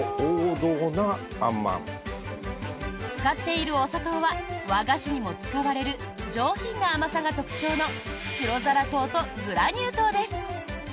使っているお砂糖は和菓子にも使われる上品な甘さが特徴の白ざら糖とグラニュー糖です。